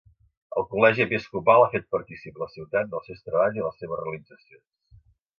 El Col·legi Episcopal ha fet partícip la ciutat dels seus treballs i les seves realitzacions.